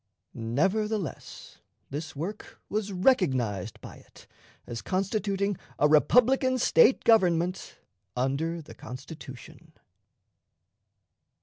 Nevertheless, this work was recognized by it, as constituting a republican State government under the Constitution.